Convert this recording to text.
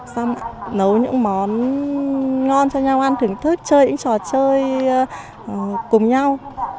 xong nấu những món ngon cho nhau ăn thưởng thức chơi những trò chơi cùng nhau